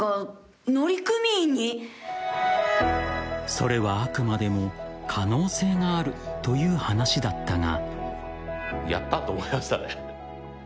［それはあくまでも可能性があるという話だったが］